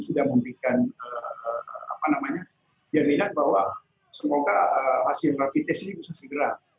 sudah memberikan apa namanya yang dilihat bahwa semoga hasil rapi tes ini bisa segera